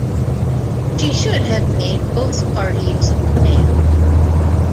She should have made both parties male.